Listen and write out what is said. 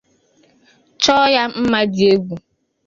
chọọ ya mma dị egwu